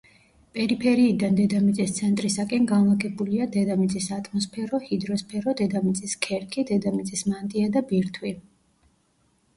პერიფერიიდან დედამიწის ცენტრისაკენ განლაგებულია: დედამიწის ატმოსფერო, ჰიდროსფერო, დედამიწის ქერქი, დედამიწის მანტია და ბირთვი.